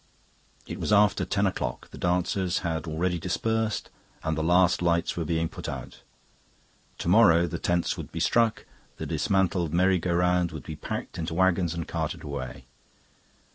It was after ten o'clock. The dancers had already dispersed and the last lights were being put out. To morrow the tents would be struck, the dismantled merry go round would be packed into waggons and carted away.